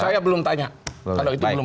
saya belum tanya kalau itu belum